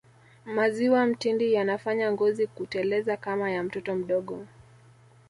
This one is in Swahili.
maziwa mtindi yanafanya ngozi kuteleza kama ya mtoto mdogo